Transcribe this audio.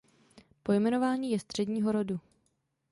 Pojmenování je středního rodu.